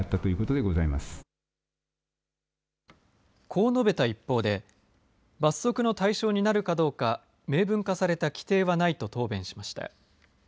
こう述べた一方で罰則の対象になるかどうか明文化された規定はないと答弁しました。